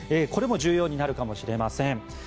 これも重要になるかもしれません。